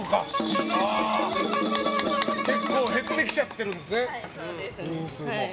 結構減ってきちゃってるんですね。